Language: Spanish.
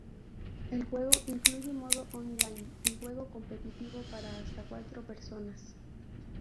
El juego incluye modo online y juego competitivo para hasta cuatro personas.